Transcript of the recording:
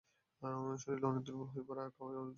শরীর অনেক দুর্বল হয়ে পড়ে আর খাওয়ায় অরুচি আসে।